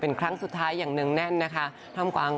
เป็นครั้งสุดท้ายอย่างเนื่องแน่นนะคะ